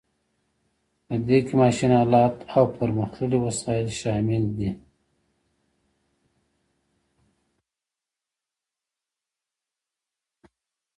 په دې کې ماشین الات او پرمختللي وسایل شامل دي.